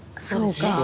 そうか。